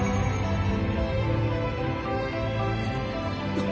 あっ。